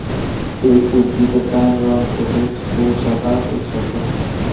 এই উদ্ভিদের গায়ের রং সবুজ, ফুল সাদা ও ছোট।